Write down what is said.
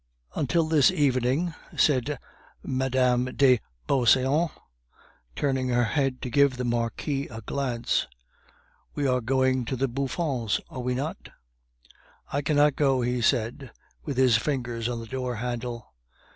"Until this evening," said Mme. de Beauseant, turning her head to give the Marquis a glance. "We are going to the Bouffons, are we not?" "I cannot go," he said, with his fingers on the door handle.